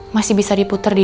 masih bisa diputar di